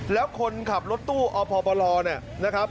แล้วคนขับรถตู้อพลนะครับ